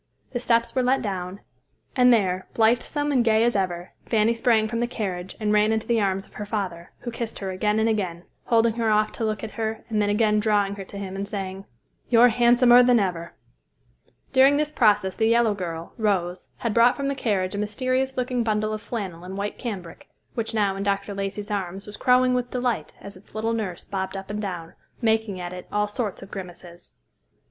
The steps were let down, and there, blithesome and gay as ever, Fanny sprang from the carriage and ran into the arms of her father, who kissed her again and again, holding her off to look at her and then again drawing her to him and saying, "You're handsomer than ever." During this process the yellow girl, Rose, had brought from the carriage a mysterious looking bundle of flannel and white cambric, which now in Dr. Lacey's arms was crowing with delight as its little nurse bobbed up and down, making at it all sorts of grimaces.